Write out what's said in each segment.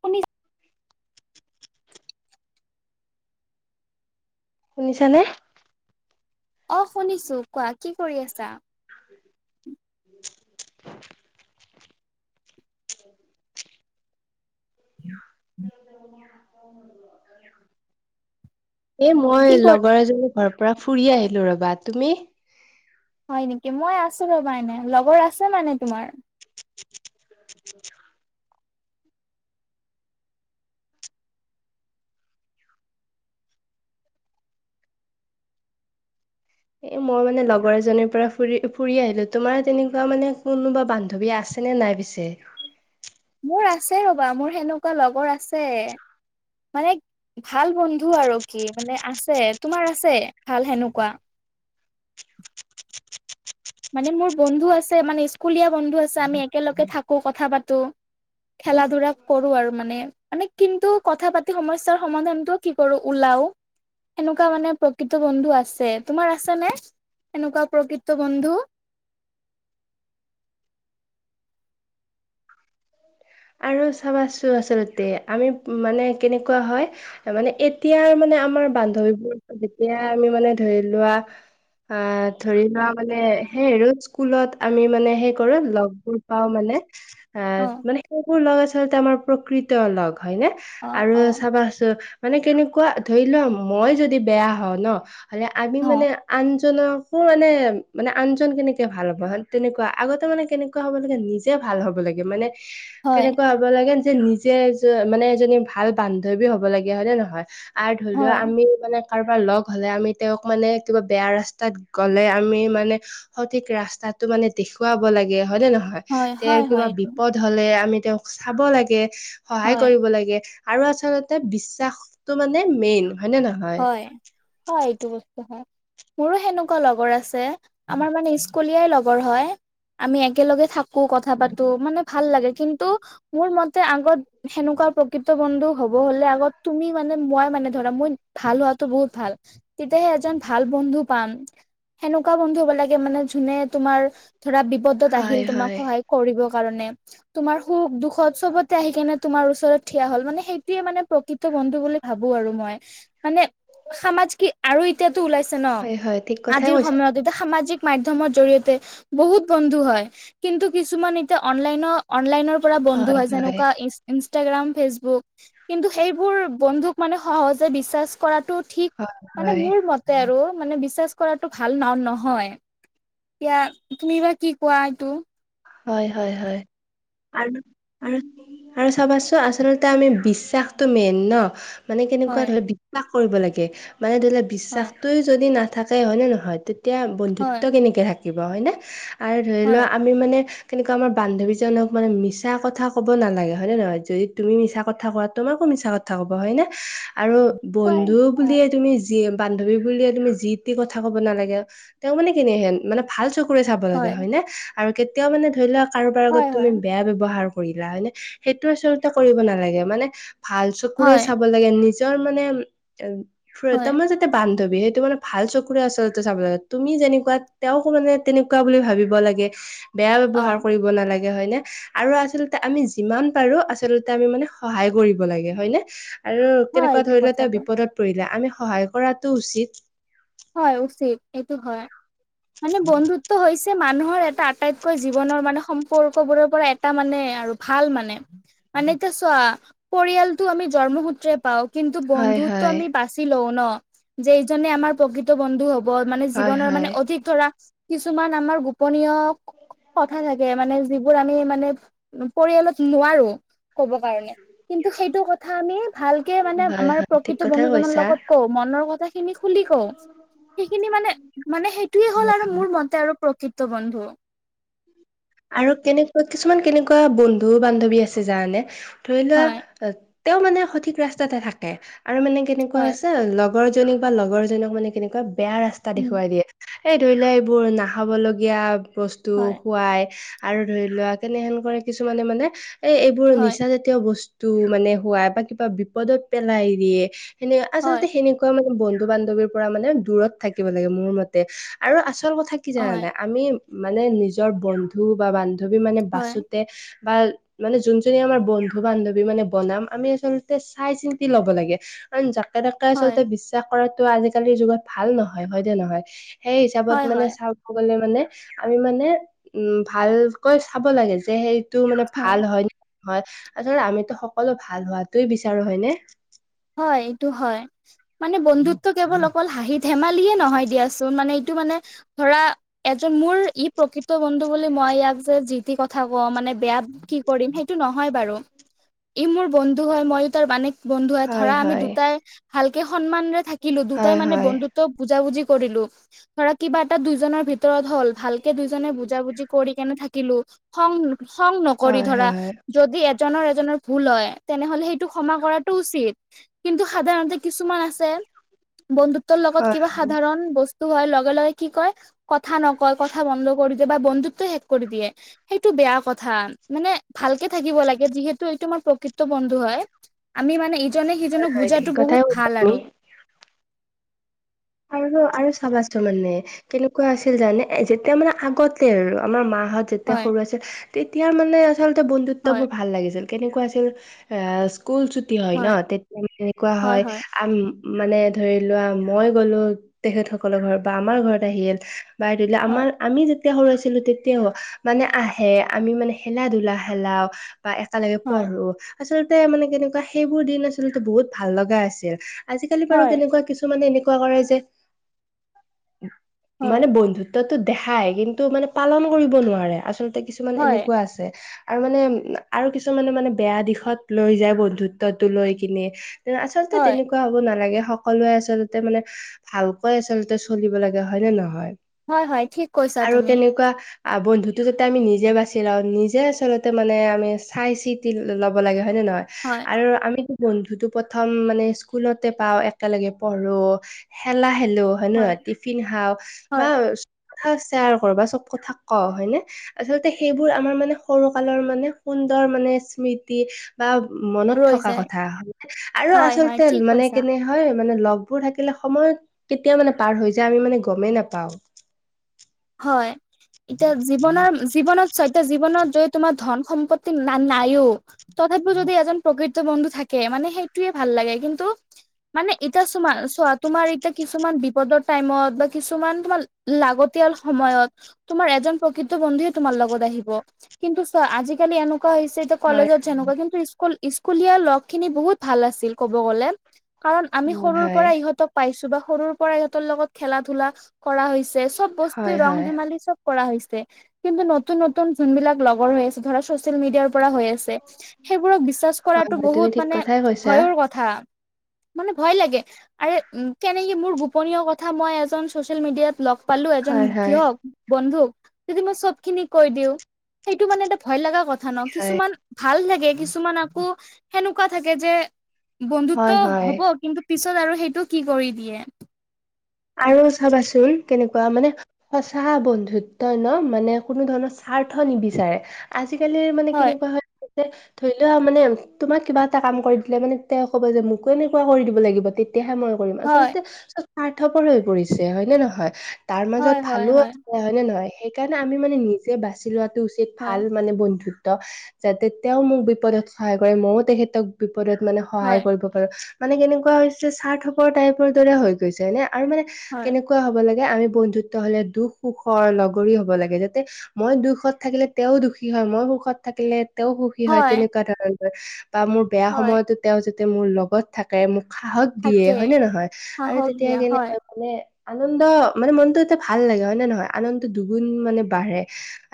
শুনিছ শুনিছা নে অ শুনিছো কোৱা কি কৰি আছা [unintelligible] [unintelligible] এ কি মই কৰি লগৰ এজনী ঘৰৰ পৰা ফুৰি আহিলোঁ ৰ'বা তুমি হয় নেকি মই আছো ৰবা এনে লগৰ আছে মানে তোমাৰ [unintelligible] এ মই মানে লগৰ এজনীৰ পৰা ফুৰি ফুৰি আহিলো তোমাৰ তেনেকুৱা মানে কোনোবা বান্ধৱী আছ আছে নে নাই পিছে মোৰ আছে ৰ'বা মোৰ সেনেকুৱা লগৰ আছে মানে ভাল বন্ধু আৰু কি মানে আছে তোমাৰ আছে ভাল সেনেকুৱা মানে মোৰ বন্ধু আছে মানে স্কুলীয়া বন্ধু আছে আমি একেলগে থাকো কথা পাতো খেলা ধূলা কৰো আৰু মানে মানে কিন্তু কথা পাত তি সমস্যাৰ সমাধানটো কি কৰো ওলাও এনেকুৱা মানে প্ৰকৃত বন্ধু আছে তোমাৰ আছে নে এনেকুৱা প্ৰকৃত বন্ধু আৰু চাবাচো আচলতে আমি মানে কেনেকুৱা হয় মানে এতিয়াৰ মানে আমাৰ বান্ধৱীবোৰ যেতিয়া আমি মানে ধৰি লোৱা আ ধৰি লোৱা মানে সেই আৰু স্কুলত আমি মানে সেই কৰো লগবোৰ পাওঁ মানে [unintelligible] আ মানে সেইবোৰ লগ আচলতে আমাৰ প্ৰকৃত লগ হয়নে অ আৰু অ চাবা চো মানে কেনেকুৱা ধৰি লোৱা মই যদি বেয়া হওঁ ন হলে আমি অ মানে আনজনকো মানে মানে আনজন কেনেকে ভাল হ'ব হয় তেনেকুৱা আগতে মানে কেনেকুৱা হ'ব লাগে নিজে ভাল হব লাগে মানে হয়, কেনেকুৱা হ'ব লাগে যে নিজে মানে এজনী ভাল বান্ধৱী হব লাগিয়া হয় নে নহয় আৰ ধৰি লোৱা হয়, আমি মানে কাৰোবাৰ লগ হলে আমি তেওঁক মানে কিবা বেয়া ৰাস্তাত গলে আমি মানে সঠিক ৰাস্তাটো মানে দেখুৱাব লাগে হয় নে নহয় হয়, তেওঁৰ হয়, হয়, কিবা এইটো বিপদ হলে আমি তেওঁক চাব লাগে সহায় হয়, কৰিব লাগে আৰু আচলতে বিশ্বাসটো মানে মেইন হয় নে নহয় হয় অ এইটো বস্তু হয় মোৰো সেনেকুৱা লগৰ আছে আমাৰ মানে স্কুলীয়াই লগৰ হয় আমি একেলগে থাকো কথা পাতো মানে ভাল লাগে কিন্তু মোৰ মতে আগত সেনেকুৱা প্ৰকৃত বন্ধু হব হলে আগত তুমি মানে মই মানে ধৰা মই ভাল হোৱাতো বহুত ভাল তেতিয়াহে এজন ভাল বন্ধু পাম সেনেকুৱা বন্ধু হ'ব লাগে মানে যোনে তোমাৰ ধৰা বিপদত হয় আহিল তোমাক হয় সহায় কৰিব কাৰণে। তোমাৰ সুখ দুখত চবতে আহি কেনে তোমাৰ ওচৰত থিয় হ'ল মানে সেইটোয়ে মানে প্ৰকৃতি ত বন্ধু বুলি ভাবো আৰু মই। মানে সামাজ কি আৰু এতিয়াতো ওলাইছে ন হয় হয় ঠিক কথাই আজিৰ কৈছা। সময়ত এতিয়া সামাজিক মাধ্যমৰ জৰিয়তে বহুত বন্ধু হয়, কিন্তু কিছুমান এতিয়া অনলাইন অনলাইনৰ পৰা বন্ধ হয় হৈছে হয়। যেনেকুৱা ই ইনষ্টাগ্ৰাম, ফেচবুক কিন্তু সেইবোৰ বন্ধুক মানে সহজে বিশ্বাস কৰাটো ঠিক হয় মানে, হয় মোৰ মতে আৰু মানে বিশ্বাস কৰাটো ভাল ন নহয়। এতিয়া তুমি বা কি কোৱা এইটো? হয়, হয়, হয়। আৰু আৰু আৰু চাবাচোন আচলতে আমি বিশ্বাসতটো মেইন ন। মানে কেনেকুৱা হয় ধৰি বিশ্বাস কৰিব লাগে মানে ধৰিল হয় বিশ্বাসটয়ে যদি না থাকে হয় নে নহয়, তেতিয়া হয় বন্ধুত্ব কেনেকে থাকিব হয় নে আৰু ধৰি হয় লও আমি মানে কিন্তু আমাৰ বান্ধৱীজনক মানে মিছা কথা ক'ব নালাগে হয় নে নহয়? যদি তুমি মিছা কথা কোৱা তোমাকো মিছা কথা কথা ক'বা হয় নে, আৰু কোৱাই বন্ধু অ বুলিয়ে তুমি যিযে বান্ধৱী বুলিয়ে তুমি যি টি কথা ক'ব নালাগে তেওঁক মানে কেনেহেন মানে ভাল চকুৰে চাব লাগে হয় হয়নে? আৰু কেতিয়াও মানে ধৰি লোৱা কাৰোবাৰ আগত হয় তুমি হয় বেয়া ব ব্যৱহাৰ কৰিলা হয়নে? সেই আচলতে কৰিব নালাগে মানে ভাল চকুৰে হয় লাগে, নিজৰ মানে উম হয় তাৰ য হে বান্ধৱী। সেইটো মানে ভাল চকুৰে আচলতে চাব লাগে তুমি যেনেকুৱা তেওঁকো মানে তেনেকুৱা বুলি ভাবিব লাগে। ‌বেয়া অ ব্ৱহাৰ কৰিব নালাগে হয়নে? আৰু আচলতে আমি যিমান পাৰো আচলতে আমি মানে সহায় কৰিব লাগে হয়নে? আৰু হয় কেনেকুৱা এইটো ধৰিল তেওঁ কথাটো বিপদত পৰিলে, আমি সহায় কৰাটো উচিত। হয় উচিত, এইটো হয়। ‌মানে বন্ধুত্ব হৈছে মানুহৰ এটা আটাইতকৈ জীৱনৰ মানে সম্পৰ্ক বোৰৰ পৰা এটা মানে আৰু ভাল মানে মান ত চোৱা পৰিয়ালটো আমি জন্মসূত্ৰে পাওঁ। কিন্তু হয় বন্ধুত্ব হয় আমি বাচি লওঁ ন! যে এইজনে আমাৰ প্ৰকৃ ত বন্ধু হব মানে হয় জীৱনৰ মানে হয় অধিক ধৰা কিছুমান আমাৰ গোপনীয় কথা থাকে, মানে যিবোৰ আমি মানে পৰিয়ালত নোৱাৰো। ক'ব কাৰণে, কিন্তু সেইটো কথা আমি ভালকে মানে হয় আমাৰ হয় ঠিক প্ৰকৃত কথাই বন্ধু জনৰ কৈছা লগত কওঁ। মনৰ কথা খিনি খুলি কওঁ। সেইখিনি মানে, মানে সেইটোয়ে হ'ল আৰু মোৰ মতে আৰু প্ৰকৃত বন্ধু। আৰু কেনেকুৱা কিছুমান কেনেকুৱা বন্ধু বান্ধৱী আছে জানে নে? ধৰি হয় লোৱা তেওঁ মানে সঠিক ৰাস্তাতে থাকে আৰু মানে কেনেকুৱা হয় আছে লগৰ জনীক বা লগৰজনক মানে কেনেকুৱা বেয়া ৰাস্তা উম দেখুৱাই দিয়ে। সেই ধৰি লোৱা এইবোৰ, নাখাব লগীয়া বস্তু হয় খুৱায় আৰু ধৰি লোৱা কেনেহেন কৰে কিছুমানে মানে, এই এইবোৰ হয় নিচা জতি য় বস্তু মানে খুৱাই বা কিবা বিপদত পেলাই দিয়ে, সেনে হয় আচলতে সেনে নকুৱা মানে বন্ধু বান্ধৱীৰ পৰা মানে দূৰত থাকিব লাগে মোৰ মতে আৰু আচল কথা কি জানা হয় নাই? আমি মানে নিজৰ বন্ধু বা বান্ধৱী মানে হয় বাচোতে বা মানে যোনজনী আমাৰ বন্ধু-বান্ধৱী মানে বনাম, আমি আচলতে চাই চিন্তি লব লাগে৷ কাৰণ যাকে তাকে হয় আচলতে বিশ্বাস কৰাটো আজিকালিৰ যুগত ভাল নহয়। হয় নে নহয়? সেই হিচাপত হয় মানে হয় চাবলে গ'লে মানে আমি মানে উম ভালকৈ চাব লাগে। যে সেইটো মানে হয় ভাল হয়নে হয়৷ আচলতে আমিতো সকলো ভাল হোৱাটোই বিচাৰোঁ হয়নে? হয়, এইটো হয়৷ মানে বন্ধুত্ব কেৱল অকল হাঁহি ধেমালিয়ে নহয় দিয়াচোন, মানে এইটো মানে ধৰা এজন মোৰ ই প্ৰকৃত বন্ধু বুলি মই ইয়াক যে যি তি কথা ক'ম মানে বেয়া কি কৰিম সেইটো নহয় বাৰু। ই মোৰ বন্ধু হয় ময়ো তাৰ মানেক বন্ধু হয় হয় ধৰা আমি হয় দুটাই ভালকে সন্মানৰে থাকিলোঁ, দুটাই হয় মানে হয় বন্ধুত ত' বুজা বুজি কৰিলোঁ, ধৰা কিবা এটা দুইজনৰ ভিতৰত ভিত তৰত হ'ল, ভালকে দুইজনে বুজা বুজি কৰি কেনে থাকিলোঁ, খং খং নকৰি হয় ধৰা হয় যদি এজনৰ এজনৰ ভুল হয় তেনেহ'লে সেইটো ক্ষমা কৰাটো উচিত৷ কিন্তু সাধাৰণতে কিছুমান আছে, বন্ধুত্বৰ লগত হয় কিবা সাধাৰণ বছ তো হোৱাৰ লগে লগে কি কয়, কথা নকয়, কথা বন্ধ কৰি দিয়ে বা বন্ধুত্ব শেষ কৰি দিয়ে৷ সেইটো বেয়া কথা, মানে ভালকে থাকিব লাগে যিহেতু এইটো আমাৰ প্ৰকৃত বন্ধু হয়৷ আমি মানে ইজনে সিজনক হয় ঠিক বুজাটো কথাই বহুত কৈছা ভাল তুমি আৰু৷ আৰু আৰু চাবাচোন মানে কেনেকুৱা আছিল জানে এ, যেতিয়া মানে আগতে আৰু আমাৰ মাহঁত যেতিয়া হয় সৰু আছিল, তেতিয়াৰ মানে আচলতে হয় বন্ধুত্ববোৰ ভাল লাগিছিল, কেনেকুৱা আছিল এ কুল ছুটি হয় ন' তেতিয়া তেনেকুৱা হয় আম মানে ধৰি লোৱা মই গ'লো তেখেতসকলৰ ঘৰত বা আমাৰ ঘৰত আহিল বা ধৰি লোৱা হয় আমাৰ আমি যেতিয়া সৰু আছিলোঁ তেতিয়াও মানে আহে, আমি মানে খেলা ধূলা খেলাওঁ বা একেলগে হয় পঢ়ো৷ আচলতে মানে কেনেকুৱা সেইবোৰ দিন আচলতে বহুত ভাল লগা আছিল৷ আজিকালি বাৰু হয় কেনেকুৱা কিছুমানে এনেকুৱা কৰে যে, হয় মানে বন্ধুত ত্বটো দেখাই কিন্তু মানে পালন কৰিব নোৱাৰে, আচলতে কিছুমান হয় এনেকুৱা আছে৷ আৰু মানে আৰু কিছুমানে মানে বেয়া দিশত লৈ যায় বন্ধুত্বটো লৈ কিনে আচলতে হয় তেনেকুৱা হ'ব নালাগে, সকলোৱে আচল তে মানে ভালকৈ আচলতে চলিব লাগে হয় নে নহয়? হয় হয় ঠিক কৈছা আৰু তুমি তেনেকুৱা আ, বন্ধুতো যাতে আমি নিজে বাচি লওঁ, নিজে আচলতে মানে আমি চাই চিতি ল'ব লাগে হয় নে নহয়? হয় আৰু আমিতো বন্ধুটো প্ৰথম মানে স্কুলতে পাওঁ, একেলগে পঢ় ৰো, খেলা খেলোঁ হয় নে নহয়? টিফিন খাওঁ বা হয় কথাও শ্বেয়াৰ কৰোঁ বা চব কথা কওঁ হয়নে? আচলতে সেইবোৰ আমাৰ মানে সৰু কালৰ মানে সুন্দৰ মানে স্মৃতি। বা মনত ৰৈ থকা যায় কথা আৰু হয় হয় আচলতে ঠিক মানে কৈছা কেনে হয় মানে লগ বোৰ থাকিলে সময় কেতিয়া মানে পাৰ হৈ যায় আমি মানে গমেই নাপাওঁ৷ হয়, এতিয়া জীৱনৰ জীৱনত চৈত জীৱনত যদি তোমাৰ ধন সম্পত্তি না-নাইও তথাপিও যদি এজন প্ৰকৃত বন্ধু থাকে মানে সেইটোৱেই ভাল লাগে, কিন্তু মানে এতিয়া চোমা চোৱা তোমাৰ এতিয়া কিছুমান বিপদৰ টাইমত বা কিছুমান তোমাৰ লাগত তিয়াল সময়ত তোমাৰ এজন প্ৰকৃত বন্ধুৱে তোমাৰ লগত আহিব, কিন্তু চোৱা আজিকালি এনেকুৱা হৈছে হয় কলেজত যেনেকুৱা, কিন্তু স্কুল স্কুলীয়া লগখিনি বহুত ভাল আছিল ক'ব গ'লে৷ কাৰণ আমি হয় হয় সৰুৰপৰা ইহঁতক পাইছোঁ বা সৰুৰপৰা ইহঁতৰ লগত খেলা ধূলা কৰা হৈছে৷ হয় [unintelligible] ৰং হয় ধেমালি চব কৰা হৈছে, কিন্তু নতুন নতুন যোনবিলাক লগৰ হৈ আছে ধৰা চোচ [unintelligible] মেডিয়াৰপৰা হৈ আছে, সেইবোৰক বিশ্বাস হয় কৰাটো হয়, তুমি বহুত ঠিক মানে কথাই কৈছা ভয়ৰ ক কথা, মানে ভয় লাগে। আৰে, উম কেনেকে মোৰ গোপনীয় কথা মই এজন চচিয়েল মিডিয়াত লগ পালোঁ এজন হয় হয় কিহক বন্ধুক যদি মই চবখিনি কৈ দিওঁ, সেইটো মানে এটা ভয় লগা কথা। কথা ন, হয় কিছুমান ভাল লাগে, কিছুমান আকৌ সেনেকুৱা থাকে যে, বন্ধুত্ব হয় হয় হ'ব, কিন্তু পিছত আৰু সেইটো কি কৰি দিয়ে। আৰু চাবাচোন, কেনেকুৱা মানে সঁচা বন্ধুত্বই ন, মানে কোনো ধৰণৰ স্বাৰ্থ নিবিচাৰে। আজিকালিৰ মানে কেনেকুৱা হয়, যে ধৰি লোৱা মানে। তোমাক কিবা এটা কাম কৰি দিলে মানে তেওঁ কব যে মোকো এনেকুৱা কৰি দিব লাগিব তেতিয়াহে মই কৰিম হয় আচলতে চব স্বাৰ্থপৰ হৈ পৰিছে হয় নে নহয়? তাৰ হয় মাজত হয় ভালো আ এ হয় নে নহয়? সেইকাৰণে আমি মানে নিজে বাছি লোৱাটো উচিত হয় ভাল মানে বন্ধুত্ব৷ যাতে তেওঁ মোক বিপদত সহায় কৰে, মইও তেখেতক বিপদত মানে সহায় হয় কৰিব পাৰোঁ মানে কেনেকুৱা হৈছে, স্বাৰ্থপৰ টাইপৰ দৰে হৈ গৈছে হয়নে? আৰু মানে কেনে হয় এনেকুৱা হ'ব লাগে, আমি বন্ধুত্ব হলে দুখ সুখৰ লগৰী হ'ব লাগে, যাতে মই দুখত থাকিলে, তেওঁ দুখী হয় মই সুখত থাকিলে তেওঁ সুখী হয়, তেনেকুৱা ধৰণৰ বা মোৰ বেয়া হয় সময়তো তেওঁ যাতে মোৰ লগত থাকে, মোক সাহস দিয়ে, থাকে হয় নে নহয় আৰু সাহস তেতিয়া দিয়া কেনে হয় হয় মানে আনন্দ, মানে মনটো এটা ভাল লাগে, হয় নে নহয়? আনন্দ দুগুণ মানে বাঢ়ে।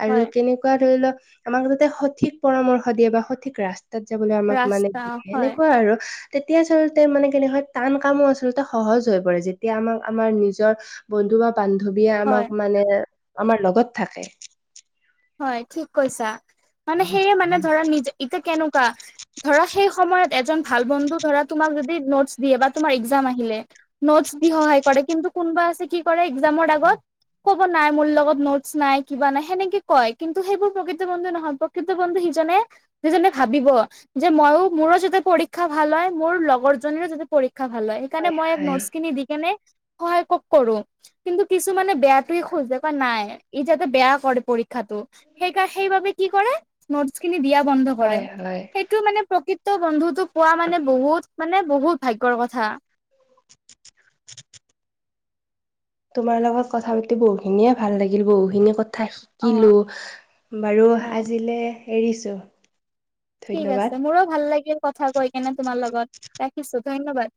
আৰু হয় কেনেকুৱা ধৰি লওক, আমাক যাতে সঠিক পৰামৰ্শ দিয়ে বা সঠিক ৰাস্তা তাত যাবলৈ আমাক মানে ৰাস্তা এ হয় এনেকুৱা আৰু তেতিয়া আচলতে মানে কেনে হয়, টান কামো আচলতে সহজ হৈ পৰে যে এতিয়া আমাক, আমাৰ নিজৰ বন্ধু বা বান্ধৱীয়ে হয় আমাক মানে আমাৰ লগত থাকে। হয় ঠিক কৈছা। মানে সেয়ে মানে ধৰা নিজে এতিয়া কেনেকুৱা। ধৰা, সেই সময়ত এজন ভাল বন্ধু ধৰা তোমাক যদি নোটছ দিয়ে বা তোমাৰ একজাম আহিলে। নোটচ দি সহায় কৰে, কিন্তু কোনোবা আছে, কি কৰে, একজামৰ আগত ক'ব নাই, মোৰ লগত নোটচ নাই, কিবা নাই সেনেকে কয়, কিন্তু সেইবোৰ প্ৰকৃত বন্ধু নহয়, প্ৰকৃত বন্ধু সিজনে, যিজনে ভাবিব। যে, ময়ো মোৰো যাতে পৰীক্ষা ভাল হয়, মোৰ লগৰজনীৰো যাতে পৰীক্ষা ভাল হয়। সেইকাৰণে মই ইয়াক নোটছখিনি দি কেনে সহায় খুব কৰোঁ, কিন্তু কিছুমানে বেয়াতোয়ে খোজে বা নাই ই যাতে বেয়া কৰে পৰী পৰীক্ষাতো, সেইকা, সেইবাবে কি কৰে নোটচখিনি দিয়া বন্ধ কৰে, হয় হয় সেইটো মানে প্ৰকৃত তো বন্ধুতো পোৱা মানে বহুত, মানে বহুত ভাগ্যৰ কথা। [unintelligible] তোমাৰ লগত কথা পাতি বহুখিনিয়ে ভাল লাগিল, বহুখিনিয়ে কথাই অ শিকিলোঁ বাৰু, হয় আজিলে এৰিছোঁ। ঠিক আছে, মোৰো ভাল লাগিল কথা কৈ কেনে তোমাৰ লগত ৰাখিছো, ধন্যবাদ।